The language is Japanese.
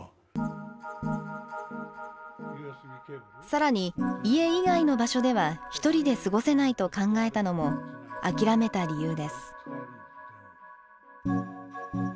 更に家以外の場所では１人で過ごせないと考えたのも諦めた理由です。